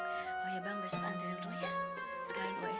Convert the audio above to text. oh ya bang gak salah antre untuknya